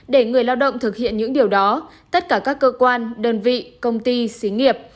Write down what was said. để người lao động thực hiện những điều đó tất cả các cơ quan đơn vị công ty xí nghiệp